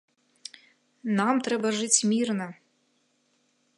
Нам трэба жыць мірна!